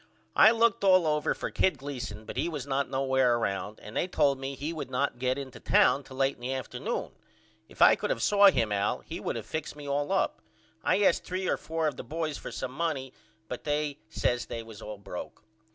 I looked all over for Kid Gleason but he was not nowheres round and they told me he would not get into town till late in the afternoon. If I could of saw him Al he would of fixed me all up. I asked 3 or 4 of the boys for some money but they says they was all broke.